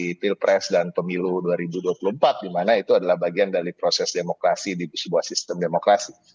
di pilpres dan pemilu dua ribu dua puluh empat di mana itu adalah bagian dari proses demokrasi di sebuah sistem demokrasi